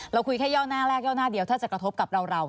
เราคุยแค่ย่อหน้าแรกย่อหน้าเดียวถ้าจะกระทบกับเรา